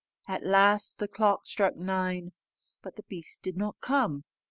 At last the clock struck nine, but the beast did not come.